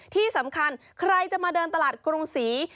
ที่สำคัญใครจะมาเดินตลาดกรุงศรี